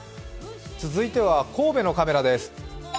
続いては神戸のカメラです。